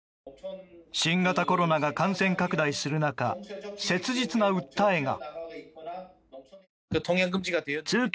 新型コロナが感染拡大する中切実な訴えが。